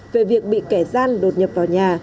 về việc bị kẻ gian đột nhập vào nhà